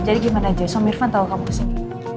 jadi gimana jeso mirvan tahu kamu kesini